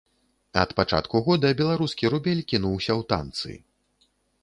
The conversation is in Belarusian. Ад пачатку года беларускі рубель кінуўся ў танцы.